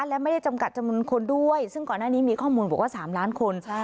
และไม่ได้จำกัดจำนวนคนด้วยซึ่งก่อนหน้านี้มีข้อมูลบอกว่า๓ล้านคน